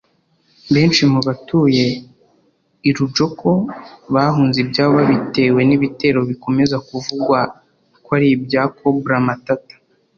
Benshi mu batuye i Rudjoko bahunze ibyabo babitewe n’ibitero bikomeza kuvugwa ko ari ibya Cobra Matata